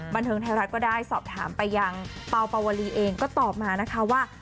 บันเทิงไทยรัฐก็ได้สอบถามไปยังเป่าปาวลีเองก็ตอบมานะคะว่า